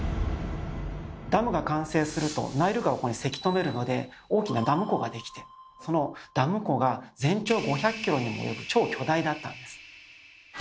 ダムが完成するとナイル川をせき止めるので大きなダム湖ができてそのダム湖が全長５００ｋｍにも及ぶ超巨大だったんです。